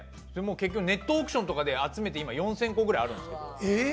ネットオークションとかで集めて今４０００個ぐらいあるんですけど。